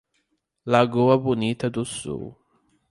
Lagoa Bonita do Sul